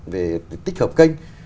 về tích hợp kênh